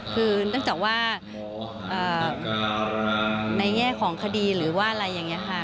คือเนื่องจากว่าในแง่ของคดีหรือว่าอะไรอย่างนี้ค่ะ